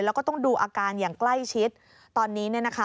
แล้วก็ต้องดูอาการอย่างใกล้ชิดตอนนี้เนี่ยนะคะ